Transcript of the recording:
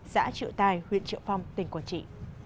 xã triệu tài huyện triệu phong tỉnh quảng trị